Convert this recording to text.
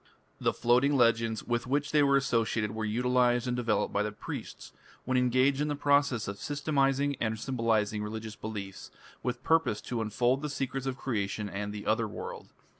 The floating legends with which they were associated were utilized and developed by the priests, when engaged in the process of systematizing and symbolizing religious beliefs, with purpose to unfold the secrets of creation and the Otherworld.